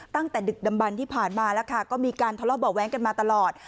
ตั้งแต่ดึกดำบันที่ผ่านมาแล้วค่ะก็มีการทะเลาะเบาะแว้งกันมาตลอด